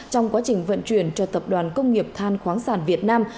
trong quá trình vận chuyển cho tập đoàn công nghiệp than khoáng sản việt nam